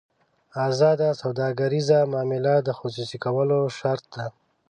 ازاده سوداګریزه معامله د خصوصي کولو شرط ده.